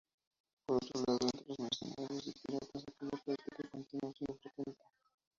Por otro lado, entre los mercenarios y piratas aquella práctica continuó siendo frecuente.